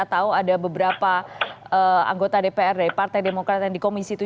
tahu ada beberapa anggota dpr dari partai demokrat yang di komisi tujuh